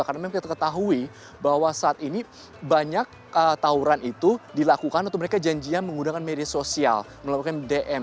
karena memang kita ketahui bahwa saat ini banyak tawuran itu dilakukan atau mereka janjian menggunakan media sosial melakukan dm